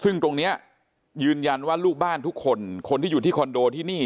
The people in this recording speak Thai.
ซึ่งตรงนี้ยืนยันว่าลูกบ้านทุกคนคนที่อยู่ที่คอนโดที่นี่